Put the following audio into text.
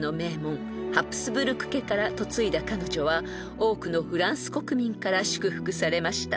［多くのフランス国民から祝福されました］